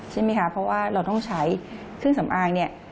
ใช่ไหมคะเพราะว่าเราต้องใช้เครื่องสำอางเนี่ย